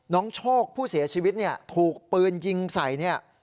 โชคผู้เสียชีวิตเนี่ยถูกปืนยิงใส่เนี่ย